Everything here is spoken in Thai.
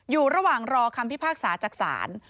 อยู่ระหว่างรอคำพิพากษาจากศาล